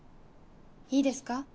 いいですか？